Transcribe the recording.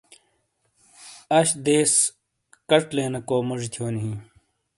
اَش دَیس کَچ لینیکو موجی تھیونی ہِیں۔